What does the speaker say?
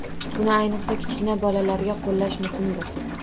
Buni ayniqsa kichkina bolalarga qo‘llash muhimdir.